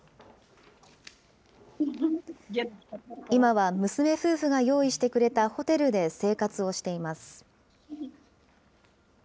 今は娘夫婦が用意してくれたホテルで生活をしています。